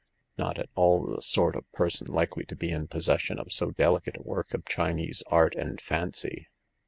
Not at all the sort of person likely to be in pos session of so delicate a work of Chinese art and fancy.